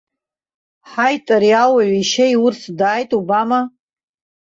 Ҳаит, ари ауаҩ ишьа иурц дааит убама!